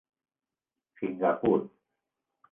Singapur.